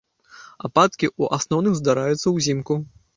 Ападкі ў асноўным здараюцца ўзімку.